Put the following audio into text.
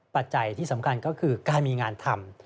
ปัจจัยที่สำคัญก็คือการมีงานทำ